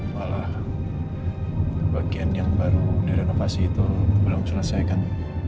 malah bagian yang baru direnovasi itu belum selesai kan